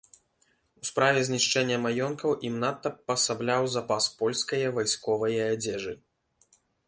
У справе знішчэння маёнткаў ім надта пасабляў запас польскае вайсковае адзежы.